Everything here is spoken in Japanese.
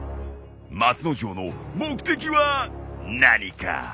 松之丞の目的は何か？